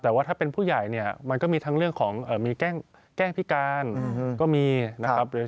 แต่ว่าถ้าเป็นผู้ใหญ่เนี่ยมันก็มีทั้งเรื่องของมีแกล้งพิการก็มีนะครับ